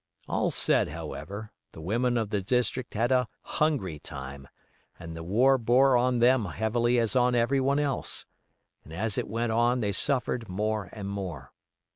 All said, however, the women of the district had a hungry time, and the war bore on them heavily as on everyone else, and as it went on they suffered more and more.